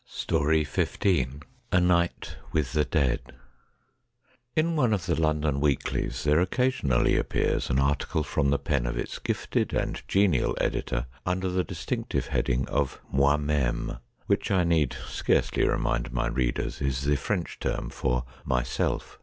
187 XV A NIGHT WITH THE DEAD In one of the London weeklies there occasionally appears an article from the pen of its gifted and genial editor under the distinctive heading of Moi mcme, which, I need scarcely re mind my readers, is the French term for myself.